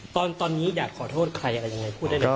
ตอนนี้อยากขอโทษใครอย่างไรพูดได้เลย